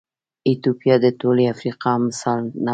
ایتوپیا د ټولې افریقا مثال نه و.